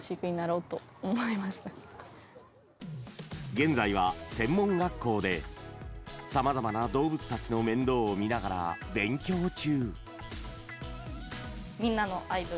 現在は専門学校でさまざまな動物たちの面倒を見ながら勉強中。